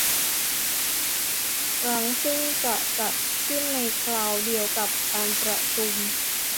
ครั้งซึ่งจะจัดขึ้นในคราวเดียวกับการประชุม